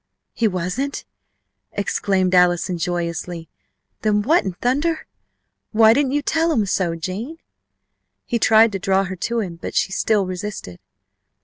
"He wasn't!" exclaimed Allison joyously. "Then what in thunder? Why didn't you tell 'em so, Jane?" He tried to draw her to him, but she still resisted.